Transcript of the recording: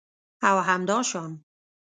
او همداشان